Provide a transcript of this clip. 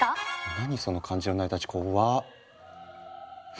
何その漢字の成り立ちこっわ。